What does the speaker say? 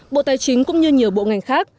bộ tài chính cũng như nhiều bộ ngành khác